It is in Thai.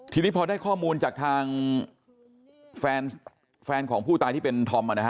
พอที่พอได้ข้อมูลจากทางแฟนแฟนของผู้ตายที่เป็นคอมแล้ว